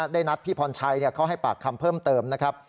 ได้นัดพี่พรชัยเข้าให้ปากคำเพิ่มเติมนะครับ